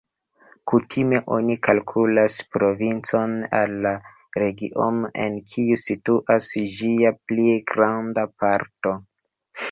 Kutime oni kalkulas provincon al la regiono, en kiu situas ĝia pli granda parto.